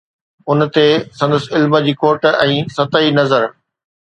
ان تي سندس علم جي کوٽ ۽ سطحي نظر.